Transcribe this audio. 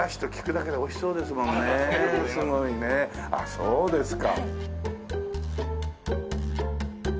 そうですか。